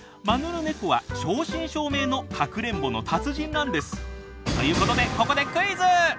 マヌルネコは正真正銘の「かくれんぼの達人」なんです。ということでここでクイズ！